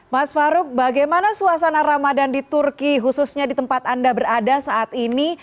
mas farouk bagaimana suasana ramadan di turki khususnya di tempat anda berada saat ini